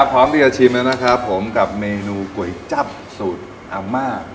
พร้อมที่จะชิมแล้วนะครับผมกับเมนูก๋วยจับสูตรอาม่า